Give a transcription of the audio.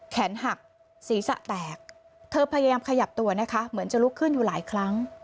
แขนหักศีรษะแตกเธอพยายามขยับตัวนะคะเหมือนจะลุกขึ้นอยู่หลายครั้ง